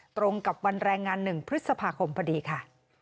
ตรงกับวันแรงงาน๑พฤษภาคมพอดีค่ะ